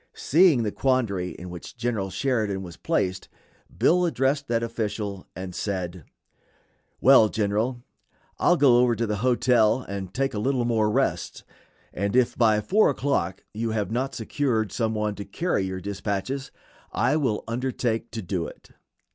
Seeing the quandary in which General Sheridan was placed, Bill addressed that official, and said: "Well, General, I'll go over to the hotel and take a little more rest, and if by 4 o'clock you have not secured some one to carry your dispatches, I will undertake to do it."